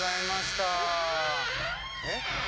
えっ？